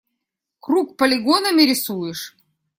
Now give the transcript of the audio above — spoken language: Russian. Круг полигонами рисуешь?